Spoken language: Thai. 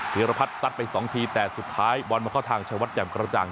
ีรพัฒน์ซัดไปสองทีแต่สุดท้ายบอลมาเข้าทางชายวัดแจ่มกระจ่าง